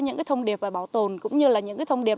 những cái thông điệp về bảo tồn cũng như là những cái thông điệp